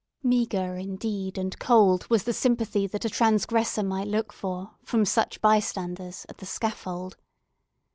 Meagre, indeed, and cold, was the sympathy that a transgressor might look for, from such bystanders, at the scaffold.